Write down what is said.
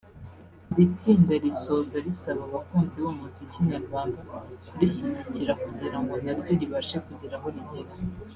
Iri tsinda risoza risaba abakunzi b’umuziki nyarwanda kurishyigikira kugirango naryo ribashe kugira aho rigera